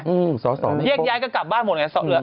เย็กย้ายก็กลับบ้านหมดไง